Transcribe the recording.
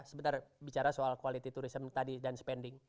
sebentar bicara soal quality tourism tadi dan spending